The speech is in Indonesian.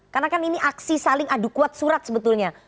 karena kan ini aksi saling adu kuat surat sebetulnya